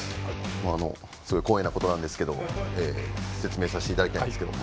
光栄なことなんですけど説明させていただきたいんですけど。